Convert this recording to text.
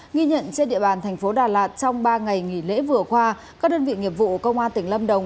nghi nhận trên địa bàn thành phố đà lạt trong ba ngày nghỉ lễ vừa qua các đơn vị nghiệp vụ công an tỉnh lâm đồng